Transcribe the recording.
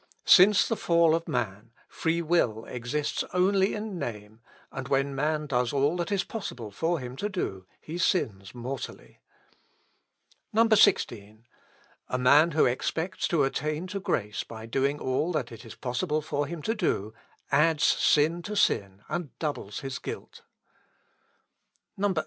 "Since the fall of man, free will exists only in name, and when man does all that is possible for him to do, he sins mortally. 16. "A man who expects to attain to grace by doing all that it is possible for him to do, adds sin to sin, and doubles his guilt. 18.